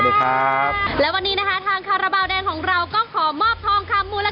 สวัสดีค่ะแต่วันนี้นะฮะทางคราบาลแดนของเรา